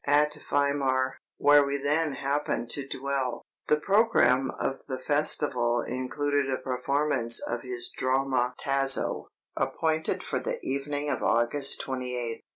At Weimar, where we then happened to dwell, the programme of the festival included a performance of his drama 'Tasso,' appointed for the evening of August 28th.